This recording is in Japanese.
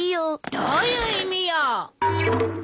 どういう意味よ！